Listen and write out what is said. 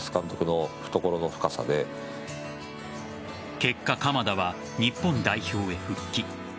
結果、鎌田は日本代表へ復帰。